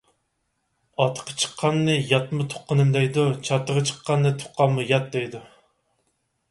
ئاتىقى چىققاننى ياتمۇ تۇغقىنىم دەيدۇ، چاتىقى چىققاننى تۇغقانمۇ يات دەيدۇ.